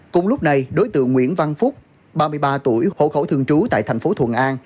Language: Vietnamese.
cùng lúc này đối tượng nguyễn văn phúc ba mươi ba tuổi hồ khẩu thường trú tại tp thuận an